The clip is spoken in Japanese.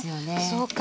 そうか。